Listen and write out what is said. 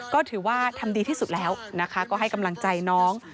ก็ถือว่าทำดีที่สุดแล้วนะคะก็ให้กำลังใจน้อง